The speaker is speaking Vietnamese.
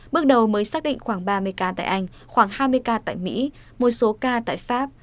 bước đầu mới xác định khoảng ba mươi ca tại anh khoảng hai mươi ca tại mỹ một số ca tại pháp